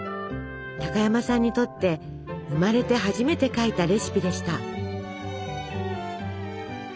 高山さんにとって生まれて初めて書いたレシピでした。